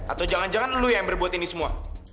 atau jangan jangan lu yang berbuat ini semua